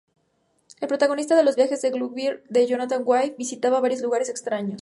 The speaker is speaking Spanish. El protagonista de Los viajes de Gulliver de Jonathan Swift visitaba varios lugares extraños.